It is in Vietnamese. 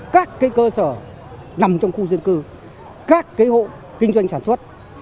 các cơ sở nằm trong khu dân cư các hộ kinh doanh sản xuất